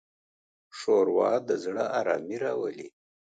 ښوروا د زړه ارامي راولي.